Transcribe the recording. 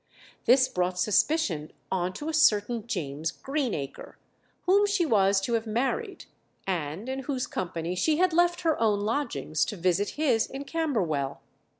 This brought suspicion on to a certain James Greenacre, whom she was to have married, and in whose company she had left her own lodgings to visit his in Camberwell.